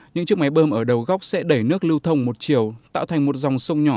những chiếc máy bơm ở đầu góc sẽ đẩy nước lưu thông một chiều tạo thành một dòng sông nhỏ